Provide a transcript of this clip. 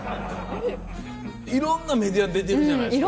いろんなメディア出てるじゃないですか。